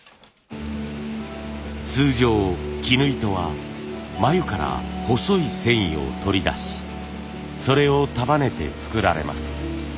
通常絹糸は繭から細い繊維を取り出しそれを束ねて作られます。